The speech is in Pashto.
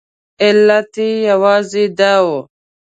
علت یې یوازې دا و.